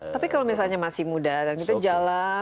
tapi kalau misalnya masih muda dan kita jalan